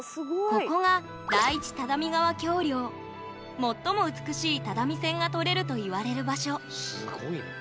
ここが最も美しい只見線が撮れるといわれる場所すごいね。